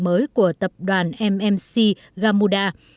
mới của tập đoàn mmc gamuda